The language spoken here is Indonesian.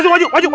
ini lagi pak